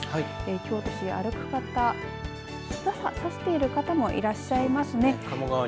京都市、歩く方日傘差している方もいらっしゃいますね。